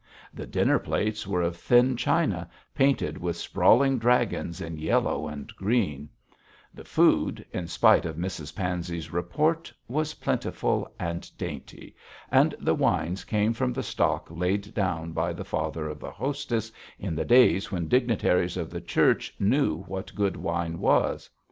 The dinner plates were of thin china, painted with sprawling dragons in yellow and green; the food, in spite of Mrs Pansey's report, was plentiful and dainty, and the wines came from the stock laid down by the father of the hostess in the days when dignitaries of the Church knew what good wine was.